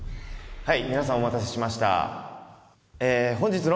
はい。